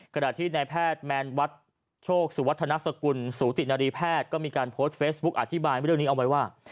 ขณะที่ในแพทย์แมนวัดโชคสุวัฒนสกุลสูตินารีแพทย์ก็มีการโพสต์เฟซบุ๊คอธิบายเรื่องนี้เอาไว้ว่า